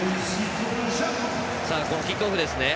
キックオフですね。